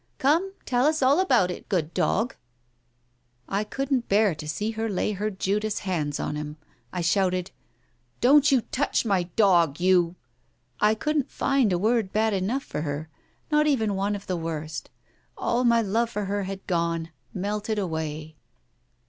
"Come, tell us all about it, good dog." I couldn't bear to see her lay her Judas hand on him. I shouted, "Don't you touch my dog, you " I couldn't find a word bad enough for her — not even one of the worst; all my love for her had gone, melted away.